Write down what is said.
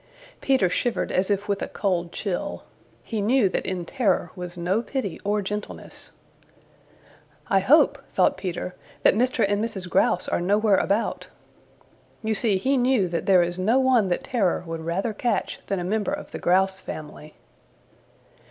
Peter shivered as if with a cold chill. He knew that in Terror was no pity or gentleness. "I hope," thought Peter, "that Mr. and Mrs. Grouse are nowhere about." You see he knew that there is no one that Terror would rather catch than a member of the Grouse family.